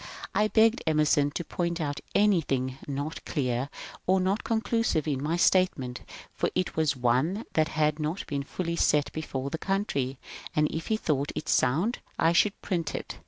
I begged Emerson to point out anything not clear or not conclusive in my statement, for it was one that had not been fully set before the country, and if he thought it sound I should print it.